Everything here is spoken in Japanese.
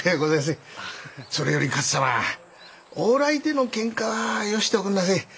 それより勝様往来でのけんかはよしておくんなせい。